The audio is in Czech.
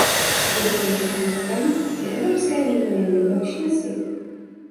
Budu končit výrokem, že evropské víno je nejlepší na světě.